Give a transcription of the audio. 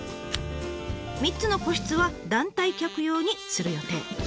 ３つの個室は団体客用にする予定。